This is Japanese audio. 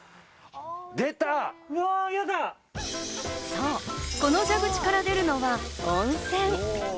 そう、この蛇口から出るのは温泉。